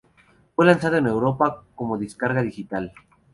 Fue lanzado en Europa como descarga digital.